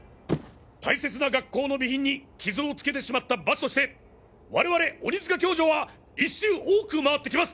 大切な学校の備品に傷を付けてしまった罰として我々鬼塚教場は１周多く回ってきます！